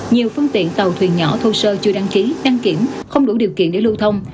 nhiều phương tiện tàu thuyền nhỏ thô sơ chưa đăng ký đăng kiểm không đủ điều kiện để lưu thông